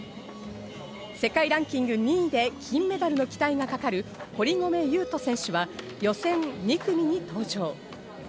世界ランキング２位で金メダルの期待がかかる堀米雄斗選手は予選２組に登場。